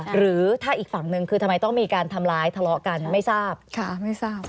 หรือถ้าอีกฝั่งหนึ่งคือทำไมต้องมีการทำร้ายทะเลาะกันไม่ทราบค่ะไม่ทราบ